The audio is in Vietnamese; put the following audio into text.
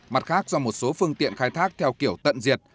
mặt khác do một số phương tiện khai thác theo kiểu tận diệt